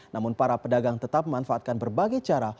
namun para pedagang tetap memanfaatkan berbagai cara